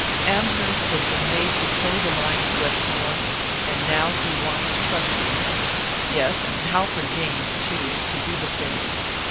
Amherst has been made to toe the line at Westmore, and now he wants Truscomb yes, and Halford Gaines, too! to do the same.